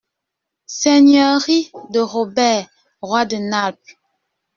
- Seigneurie de Robert, roi de Naples.